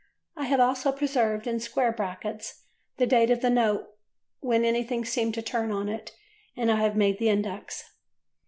I have also preserved, in square brackets, the date of a note when anything seemed to turn on it. And I have made the index.